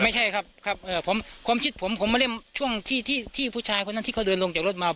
ไม่ใช่ครับความคิดผมช่วงที่ผู้ชายคนนั้นที่เขาเดินลงจากรถมา